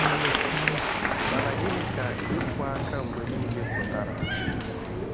Mana gịnị ka 'ikwọ aka mgbe niile' pụtara?